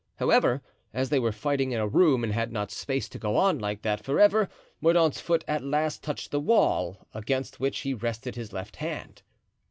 However, as they were fighting in a room and had not space to go on like that forever, Mordaunt's foot at last touched the wall, against which he rested his left hand.